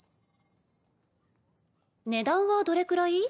値段はどれくらい？